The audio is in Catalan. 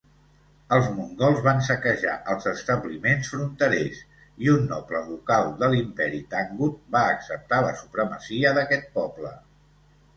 Els mongols van saquejar els establiments fronterers i un noble local de l'Imperi Tangut va acceptar la supremacia d'aquest poble.